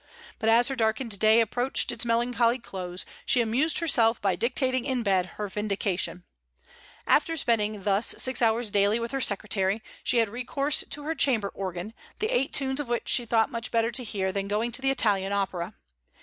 But as her darkened day approached its melancholy close, she amused herself by dictating in bed her "Vindication," After spending thus six hours daily with her secretary, she had recourse to her chamber organ, the eight tunes of which she thought much better to hear than going to the Italian opera.